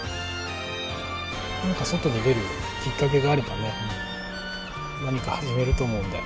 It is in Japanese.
なんか外に出るきっかけがあればね何か始めると思うんで。